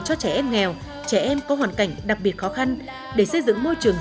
cho trẻ em nghèo trẻ em có hoàn cảnh đặc biệt khó khăn để xây dựng môi trường